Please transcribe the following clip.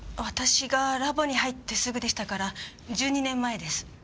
私がラボに入ってすぐでしたから１２年前です。